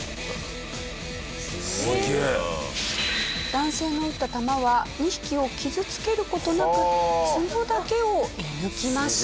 男性の撃った弾は２匹を傷つける事なく角だけを射抜きました。